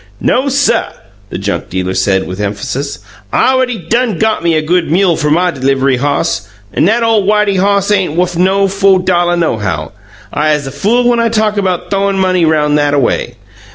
"No, suh!" the junk dealer said, with emphasis, "I awready done got me a good mule fer my deliv'ry hoss, 'n'at ole Whitey hoss ain' wuff no fo' dollah nohow! I 'uz a fool when I talk 'bout th'owin' money roun' that a way.